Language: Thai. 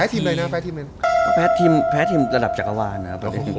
พาทีมอะไรนะพาทีมอะไรพาทีมระดับจักรวาลนะ